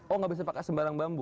oh nggak bisa pakai sembarang bambu